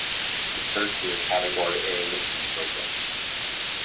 The church is a Category A listed building.